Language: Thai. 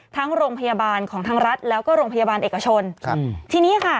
ทั้งโรงพยาบาลของทางรัฐแล้วก็โรงพยาบาลเอกชนครับทีนี้ค่ะ